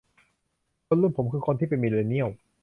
คนรุ่นผมคือคนที่เป็นมิลเลนเนียล